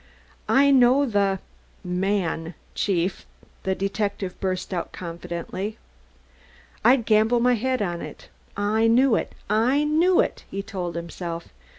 "I know the man, Chief," the detective burst out confidently. "I'd gamble my head on it. I knew it! I knew it!" he told himself.